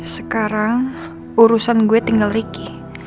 sekarang urusan gue tinggal ricky